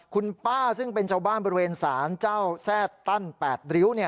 คุณป้าซึ่งเป็นชาวบ้านบริเวณศาลเจ้าแทร่ตั้น๘ริ้ว